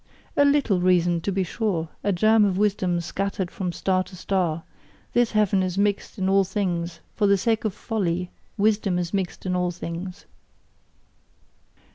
A LITTLE reason, to be sure, a germ of wisdom scattered from star to star this leaven is mixed in all things: for the sake of folly, wisdom is mixed in all things!